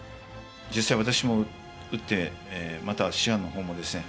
実際私も打ってまた師範の方もですね